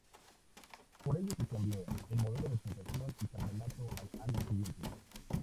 Por ello se cambió el modelo de puntuación y campeonato al año siguiente.